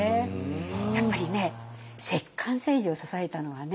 やっぱりね摂関政治を支えたのはね